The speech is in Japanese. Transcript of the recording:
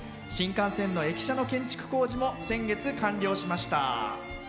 新幹線の駅舎の工事も先月完了しました。